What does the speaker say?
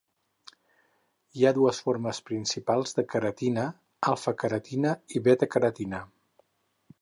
Hi ha dues formes principals de queratina, alfa-queratina i beta-queratina.